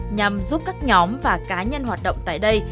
nhằm giúp các nhóm và cá nhân hoạt động tại đây